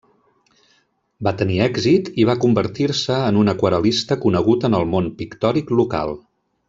Va tenir èxit i va convertir-se en un aquarel·lista conegut en el món pictòric local.